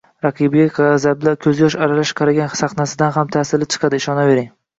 raqibiga g‘azabli ko‘zyosh aralash qaragan sahnasidan ham ta’sirli chiqadi, ishonaver.